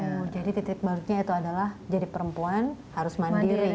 betul jadi titik baliknya itu adalah jadi perempuan harus mandiri